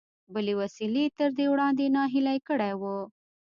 بلې وسيلې تر دې وړاندې ناهيلی کړی و.